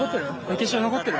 決勝残ってる。